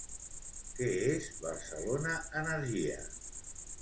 Què és Barcelona Energia?